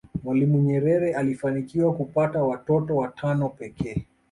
mwalimu nyerere alifanikiwa kupata watotot watano pekee